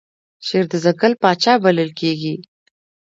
شیر د ځنګل پاچا بلل کیږي